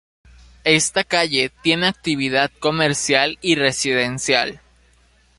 Esta calle tiene actividad comercial y residencial.